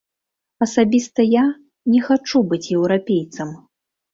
Асабіста я не хачу быць еўрапейцам.